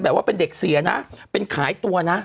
ว่าเป็นเด็กเสียนะเป็นขายตัวนะ